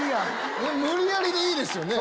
無理やりでいいですよね。